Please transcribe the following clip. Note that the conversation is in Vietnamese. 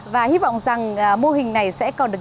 và hy vọng rằng mô hình này sẽ còn được